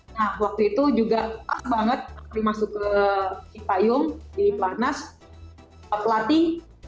nah waktu itu juga as banget apri masuk ke cipayung di platnas pelatih